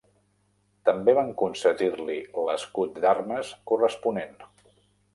També van concedir-li l'escut d'armes corresponent.